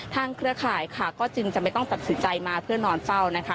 เครือข่ายค่ะก็จึงจะไม่ต้องตัดสินใจมาเพื่อนอนเฝ้านะคะ